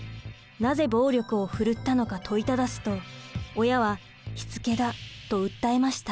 なぜ暴力を振るったのか問いただすと親は「しつけだ」と訴えました。